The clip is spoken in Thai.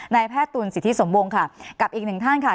นายแพทย์ตุ๋นสิทธิสมวงค่ะกับอีก๑ท่านค่ะ